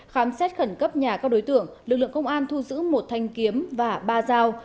khám xét khẩn cấp nhà các đối tượng lực lượng công an thu giữ một thanh kiếm và ba dao